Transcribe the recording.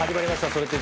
「それって！？